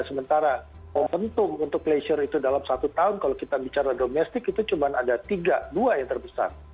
sementara momentum untuk pleasure itu dalam satu tahun kalau kita bicara domestik itu cuma ada tiga dua yang terbesar